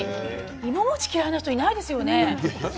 いももち嫌いな人いないですよね。